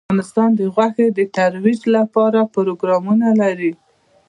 افغانستان د غوښې د ترویج لپاره پروګرامونه لري.